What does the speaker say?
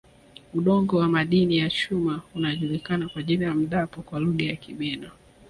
Udongo wa madini ya chuma unajulikana kwa jina la Mdapo kwa Lugha ya Kibena